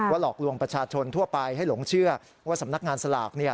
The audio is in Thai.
หลอกลวงประชาชนทั่วไปให้หลงเชื่อว่าสำนักงานสลาก